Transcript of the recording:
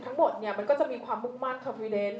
เข้าหมดเนี่ยมันก็จะมีความปลุกมั่นแล้วครับผู้วิเดส